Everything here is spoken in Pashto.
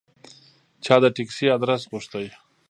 چا د تکسي آدرس غوښته.